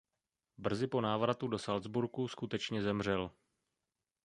Brzy po návratu do Salcburku skutečně zemřel.